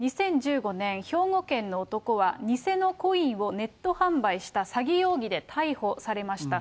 ２０１５年、兵庫県の男は、偽のコインをネット販売した詐欺容疑で逮捕されました。